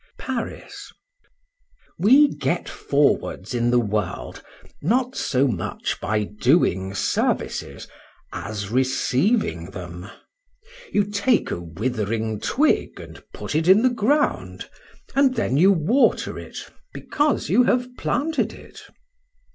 PARIS. WE get forwards in the world, not so much by doing services, as receiving them; you take a withering twig, and put it in the ground; and then you water it, because you have planted it.